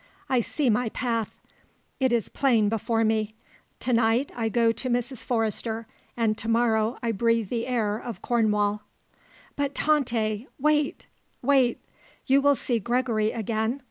I see my path. It is plain before me. To night I go to Mrs. Forrester and to morrow I breathe the air of Cornwall." "But Tante wait wait. You will see Gregory again?